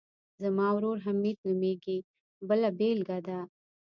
زما ورور حمید نومیږي بله بېلګه ده.